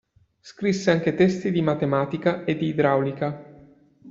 Scrisse anche testi di matematica e di idraulica.